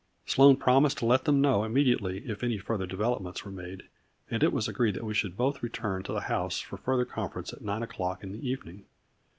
Sloane promised to let them know im mediately if any further developments were made, and it was agreed that we should both return to the house for further conference at nine o'clock in the evening.